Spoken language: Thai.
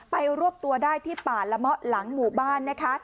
รวบตัวได้ที่ป่าละเมาะหลังหมู่บ้านนะคะ